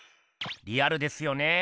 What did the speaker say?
リアルですよねえ。